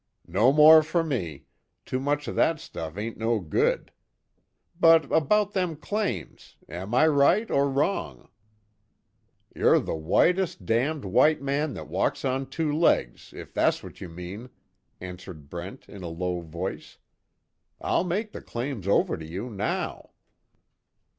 "No more for me. Too much of that stuff ain't no good. But about them claims am I right, or wrong?" "You're the whitest damned white man that walks on two legs, if that's what you mean," answered Brent, in a low voice. "I'll make the claims over to you, now."